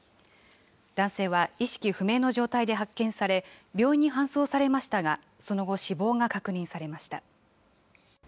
男性は意識不明の状態で発見され、病院に搬送されましたが、その後、死亡が確認されました。